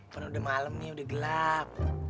pernah udah malem nih udah gelap